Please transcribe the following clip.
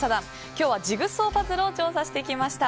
今日はジグソーパズルを調査してきました。